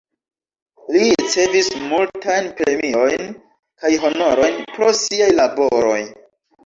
Li ricevis multajn premiojn kaj honorojn pro siaj laboroj.